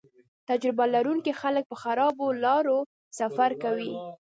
تجربه لرونکي خلک په خرابو لارو سفر کوي